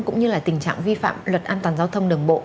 cũng như là tình trạng vi phạm luật an toàn giao thông đường bộ